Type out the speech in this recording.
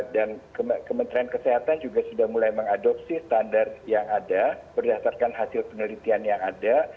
dan kementerian kesehatan juga sudah mulai mengadopsi standar yang ada berdasarkan hasil penelitian yang ada